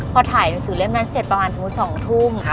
พอถ่ายหนังสือเล่มนั้นเสร็จประมาณสมมุติ๒ทุ่ม